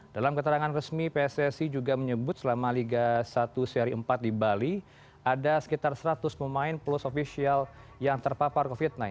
dalam keterangan resmi pssi juga menyebut selama liga satu seri empat di bali ada sekitar seratus pemain plus ofisial yang terpapar covid sembilan belas